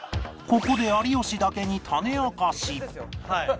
ここで有吉だけにタネ明かし